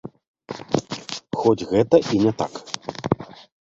Хоць гэта і не так.